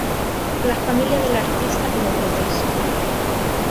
La familia del artista como pretexto".